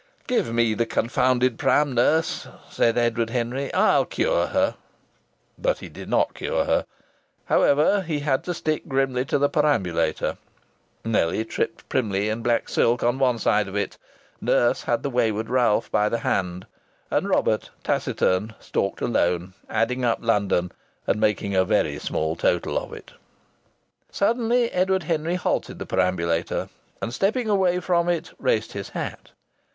"Give me the confounded pram, nurse," said Edward Henry. "I'll cure her." But he did not cure her. However, he had to stick grimly to the perambulator. Nellie tripped primly in black silk on one side of it. Nurse had the wayward Ralph by the hand. And Robert, taciturn, stalked alone, adding up London and making a very small total of it. Suddenly Edward Henry halted the perambulator, and, stepping away from it, raised his hat.